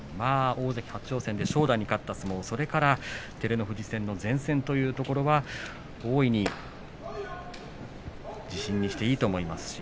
大関初挑戦で正代に勝った相撲、それから照ノ富士戦の善戦というところを大いに自信にしていいと思います。